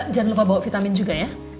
jangan lupa bawa vitamin juga ya